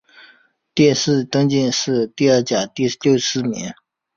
殿试登进士第二甲第六十四名。